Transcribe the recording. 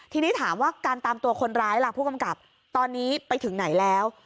ทีนี้ถามว่าการตามตัวคนร้ายล่ะผู้กำกับตอนนี้ไปถึงไหนแล้ว